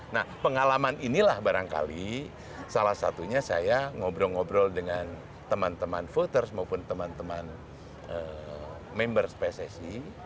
nah pengalaman inilah barangkali salah satunya saya ngobrol ngobrol dengan teman teman voters maupun teman teman members pssi